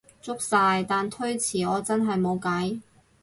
足晒，但推遲我真係無計